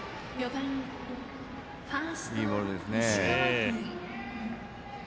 いいボールですね。